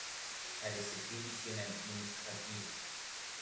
Pas de subdivisions admisnistratives.